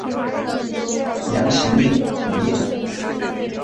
杨行密同意了。